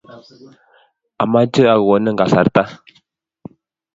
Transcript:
ameche akonin kasarta